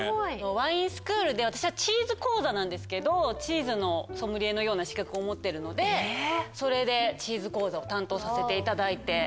ワインスクールで私はチーズ講座なんですけどチーズのソムリエのような資格を持ってるのでそれでチーズ講座を担当させていただいて。